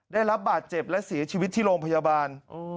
ได้รับบาดเจ็บและเสียชีวิตที่โรงพยาบาล